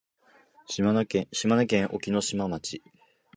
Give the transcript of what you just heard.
島根県隠岐の島町